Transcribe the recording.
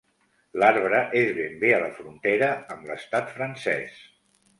L'arbre és ben bé a la frontera amb l'Estat francès.